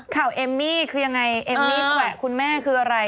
เอมมี่คือยังไงเอมมี่แววคุณแม่คืออะไร